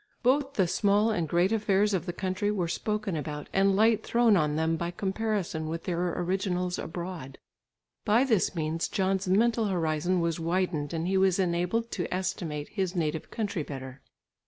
Both the small and great affairs of the country were spoken about, and light thrown on them by comparison with their originals abroad. By this means John's mental horizon was widened and he was enabled to estimate his native country better.